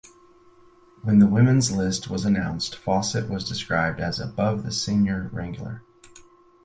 When the women's list was announced Fawcett was described as "above the senior wrangler".